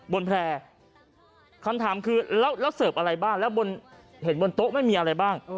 แพร่คำถามคือแล้วเสิร์ฟอะไรบ้างแล้วเห็นบนโต๊ะไม่มีอะไรบ้าง